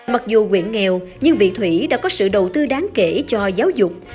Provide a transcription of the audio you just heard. mặc dù quyện nghèo nhưng vị thủy đã có sự đầu tư đáng kể cho giáo dục